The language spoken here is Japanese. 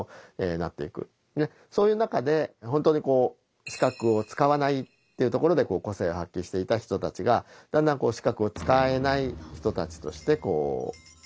そういう中で本当にこう視覚を使わないっていうところで個性を発揮していた人たちがだんだんこう視覚を使えない人たちとして虐げられていく。